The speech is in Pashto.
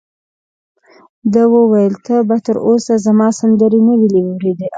ده وویل: تا به تر اوسه زما سندرې نه وي اورېدلې؟